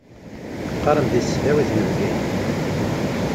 Teqqaṛemt di tesdawit n Bgayet.